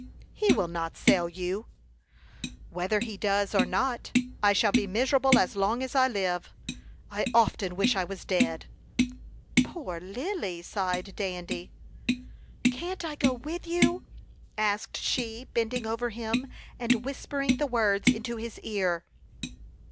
"He will not sell you." "Whether he does or not, I shall be miserable as long as I live. I often wish I was dead." "Poor Lily!" sighed Dandy. "Can't I go with you," asked she, bending over him, and whispering the words into his ear.